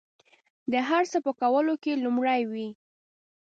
د هر څه په کولو کې لومړي وي.